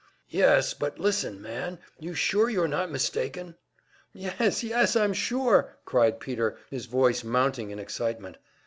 "Yes, but listen, man! You sure you're not mistaken?" "Yes, yes, I'm sure!" cried Peter, his voice mounting in excitement.